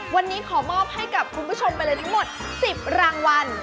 วันนี้ขอมอบให้กับคุณผู้ชมไปเลยทั้งหมด๑๐รางวัล